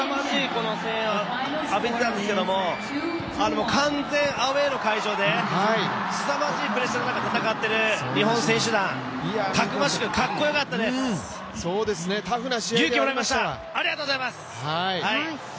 この声援を浴びていたんですけど、完全アウェーの会場ですさまじいプレッシャーの中で戦っている日本選手団、たくましく、かっこよかったです、勇気をもらいました、ありがとうございます！